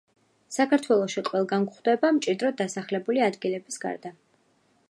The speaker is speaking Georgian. საქართველოში ყველგან გვხვდება, მჭიდროდ დასახლებული ადგილების გარდა.